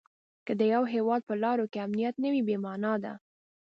که د یوه هیواد په لارو کې امنیت نه وي بې مانا ده.